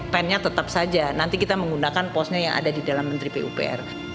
pen nya tetap saja nanti kita menggunakan posnya yang ada di dalam menteri pupr